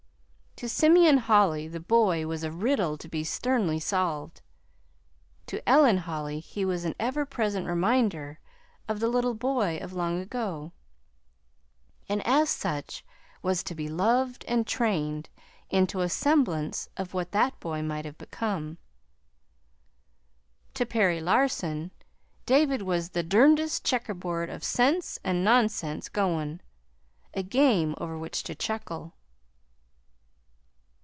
To Simeon Holly the boy was a riddle to be sternly solved. To Ellen Holly he was an everpresent reminder of the little boy of long ago, and as such was to be loved and trained into a semblance of what that boy might have become. To Perry Larson, David was the "derndest checkerboard of sense an' nonsense goin'" a game over which to chuckle.